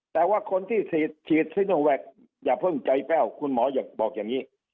แต่ว่าคนที่ฉีดซิโนแวคอย่าเพิ่งใจแป้วคุณหมออยากบอกอย่างนี้